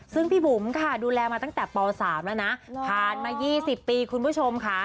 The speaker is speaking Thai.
ซึ่งพี่บุ๋มค่ะดูแลมาตั้งแต่ป๓แล้วนะผ่านมา๒๐ปีคุณผู้ชมค่ะ